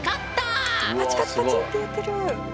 パチパチパチっていってる。